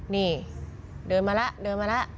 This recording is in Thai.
นี่เดินมาแล้วเดินมาแล้ว